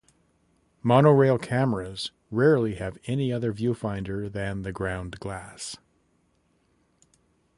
Monorail cameras rarely have any other viewfinder than the ground glass.